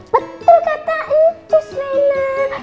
betul kata encik selena